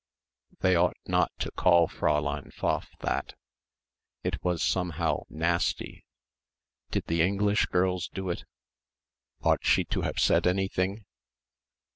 They ought not to call Fräulein Pfaff that. It was, somehow, nasty. Did the English girls do it? Ought she to have said anything?